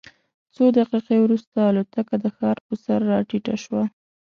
څو دقیقې وروسته الوتکه د ښار پر سر راټیټه شوه.